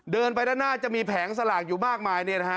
เดินไปด้านหน้าจะมีแผงสลากอยู่มากมาย